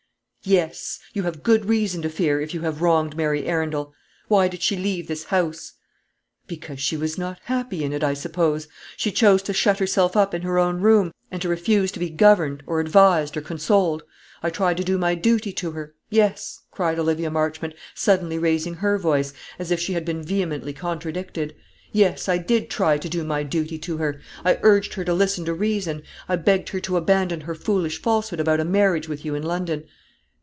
"Yes; you have good reason to fear, if you have wronged Mary Arundel. Why did she leave this house?" "Because she was not happy in it, I suppose. She chose to shut herself up in her own room, and to refuse to be governed, or advised, or consoled. I tried to do my duty to her; yes," cried Olivia Marchmont, suddenly raising her voice, as if she had been vehemently contradicted; "yes, I did try to do my duty to her. I urged her to listen to reason; I begged her to abandon her foolish falsehood about a marriage with you in London."